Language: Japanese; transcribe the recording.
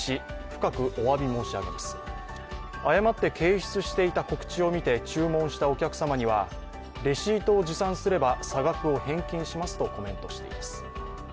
深くお詫び申し上げます誤って掲出していた告知を見て注文したお客様にはレシートを持参すれば差額を返金しますとコメントしています。